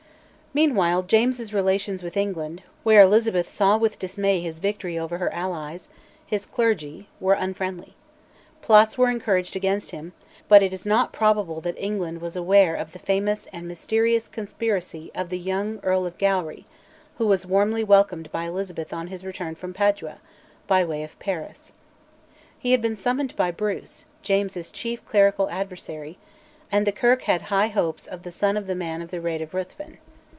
Meanwhile James's relations with England, where Elizabeth saw with dismay his victory over her allies, his clergy, were unfriendly. Plots were encouraged against him, but it is not probable that England was aware of the famous and mysterious conspiracy of the young Earl of Gowrie, who was warmly welcomed by Elizabeth on his return from Padua, by way of Paris. He had been summoned by Bruce, James's chief clerical adversary, and the Kirk had high hopes of the son of the man of the Raid of Ruthven.